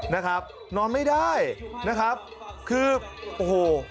นะครับนอนไม่ได้นะครับคือโอ้โห